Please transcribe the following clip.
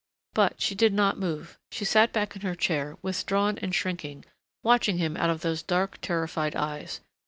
But she did not move. She sat back in her chair, withdrawn and shrinking, watching him out of those dark, terrified eyes.